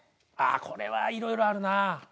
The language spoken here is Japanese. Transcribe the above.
あっこれはいろいろあるなぁ。